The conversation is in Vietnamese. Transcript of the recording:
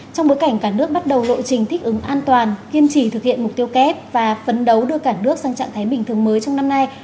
trong bối cảnh cả nước bắt đầu lộ trình thích ứng an toàn kiên trì thực hiện mục tiêu kép và phấn đấu đưa cả nước sang trạng thái bình thường mới trong năm nay